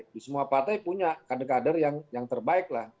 di semua partai punya kader kader yang terbaik lah